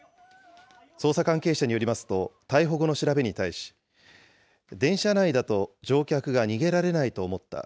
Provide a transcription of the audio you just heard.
捜査関係者によりますと、逮捕後の調べに対し、電車内だと乗客が逃げられないと思った。